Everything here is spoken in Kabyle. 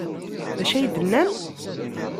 D acu ay d-tennam?